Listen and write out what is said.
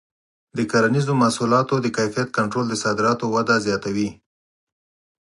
د کرنیزو محصولاتو د کیفیت کنټرول د صادراتو وده زیاتوي.